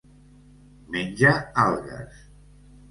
Menja algues.